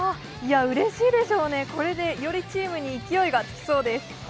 うれしいでしょうね、これでよりチームに勢いがつきそうです。